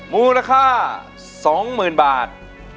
มูลค่า๒๐๐๐บาท